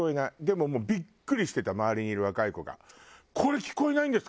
もうビックリしてた周りにいる若い子が。